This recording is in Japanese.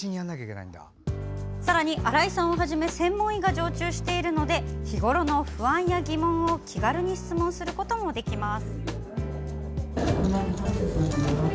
さらに、新井さんをはじめ専門医が常駐しているので日ごろの不安や疑問を気軽に質問することもできます。